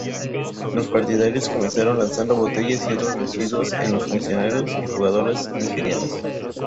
Los partidarios comenzaron lanzando botellas y otros residuos en los funcionarios y jugadoras nigerianas.